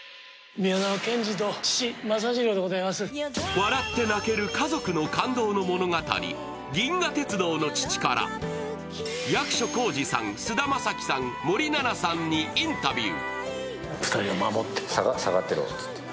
笑って泣ける家族の感動の物語、「銀河鉄道の父」から役所広司さん、菅田将暉さん森七菜さんにインタビュー。